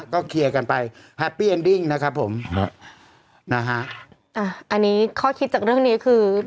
ก็เคลียร์กันไปนะครับผมนะฮะอ่าอันนี้ข้อคิดจากเรื่องนี้คือ